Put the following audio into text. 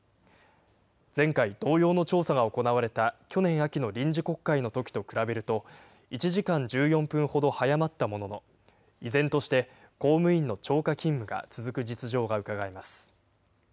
前回同様の調査が行われた去年秋の臨時国会のときと比べると、１時間１４分ほど早まったものの、依然として、公務員の超過勤務が続く実情がうかがえます。